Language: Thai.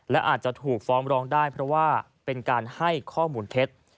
และอาจจะถูกฟ้องร้องได้เพราะว่าเป็นการให้ข้อมูลเท็จ